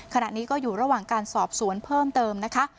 ขณะนี้ก็อยู่ระหว่างการสอบสวนเพิ่มเติมนะคะ